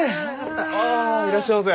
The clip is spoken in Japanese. あいらっしゃいませ。